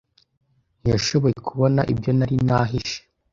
Ntiyashoboye kubona ibyo nari nahishe.